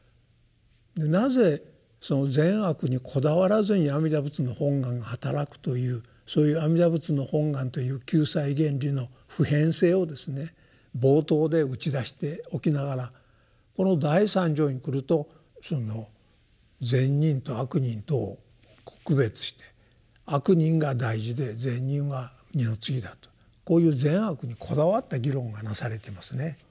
なぜ善悪にこだわらずに阿弥陀仏の本願がはたらくというそういう阿弥陀仏の本願という救済原理の普遍性をですね冒頭で打ち出しておきながらこの第三条にくると「善人」と「悪人」とを区別して「悪人」が大事で「善人」は二の次だとこういう善悪にこだわった議論がなされてますね。